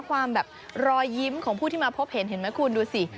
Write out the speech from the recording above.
ความแบบรอยยิ้มของผู้ที่มาพบเห็นเห็นไหมคุณดูสิ